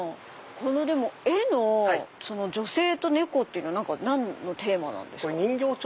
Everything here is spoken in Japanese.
絵の女性と猫っていうのは何のテーマなんですか？